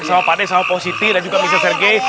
sama pak siti dan juga mister sergei